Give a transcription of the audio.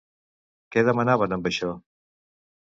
Què demanaven amb això?